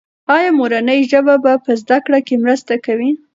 ایا مورنۍ ژبه په زده کړه کې مرسته کوي؟